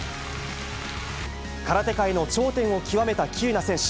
空手界の頂点を極めた喜友名選手。